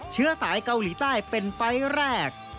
เชื้อสายเกาหลีใต้เป็นไฟล์แรก